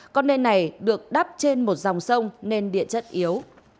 con nền này được đắp trên một dòng sông nên điện chất yếu